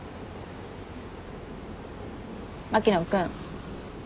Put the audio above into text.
牧野君。